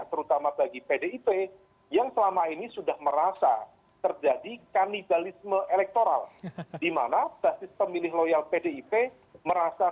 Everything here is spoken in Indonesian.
terutama bagi pdip yang selama ini sudah merasa